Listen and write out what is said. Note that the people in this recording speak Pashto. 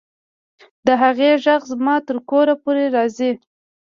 د هغې غږ زما تر کوره پورې راځي